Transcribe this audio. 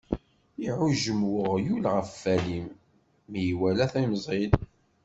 Iɛujjem uɣyul ɣef walim, mi iwala timẓin.